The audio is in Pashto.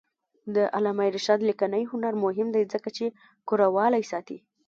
د علامه رشاد لیکنی هنر مهم دی ځکه چې کرهوالي ساتي.